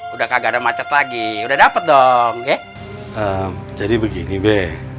udah kagak macet lagi udah dapet dong ya jadi begini be